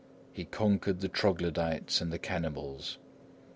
He conquered the Troglodytes and the cannibals.